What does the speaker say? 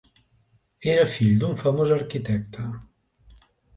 Era fill d'un famós arquitecte.